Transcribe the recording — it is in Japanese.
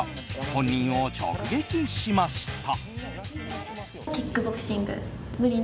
本人を直撃しました。